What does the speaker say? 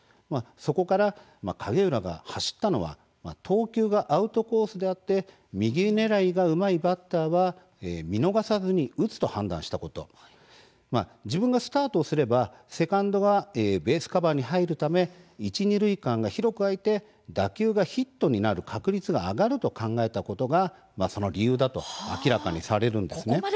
そこから景浦が走ったのは投球がアウトコースであって右狙いがうまいバッターは見逃さずに打つと判断したこと自分がスタートすればセカンドがベースカバーに入るため一、二塁間が広く空いて打球がヒットになる確率が上がると考えたことがその理由だと明らかにされるんですね。